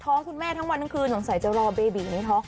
คุณแม่ทั้งวันทั้งคืนสงสัยจะรอเบบีในท้อง